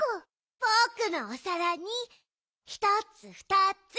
ぼくのおさらにひとつふたつ。